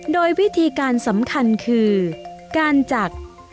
โดยวิธีการสำคัญคือการจักร